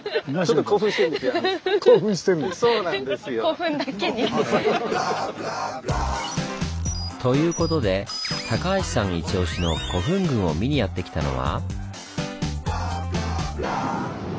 今日ということで高橋さんイチオシの古墳群を見にやって来たのは。